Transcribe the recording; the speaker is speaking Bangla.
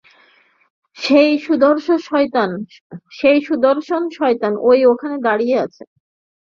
সেই সুদর্শন শয়তান ওই ওখানে দাঁড়িয়ে আছে।